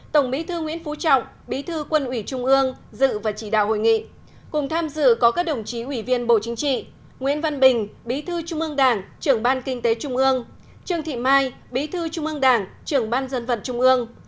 tổng bí thư nguyễn phú trọng bí thư quân ủy trung ương dự và chỉ đạo hội nghị cùng tham dự có các đồng chí ủy viên bộ chính trị nguyễn văn bình bí thư trung ương đảng trưởng ban kinh tế trung ương trương thị mai bí thư trung ương đảng trưởng ban dân vận trung ương